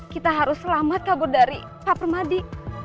kita harus selamat kabur dari pak permadi